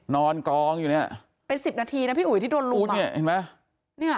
นอนกองอยู่เนี่ยเป็นสิบนาทีนะพี่อุ๋ยที่โดนลุมเนี่ยเห็นไหม